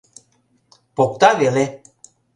Покта веле.